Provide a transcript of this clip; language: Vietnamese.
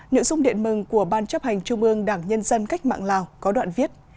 nội dung điện mừng của ban chấp hành trung ương đảng nhân dân cách mạng lào có đoạn viết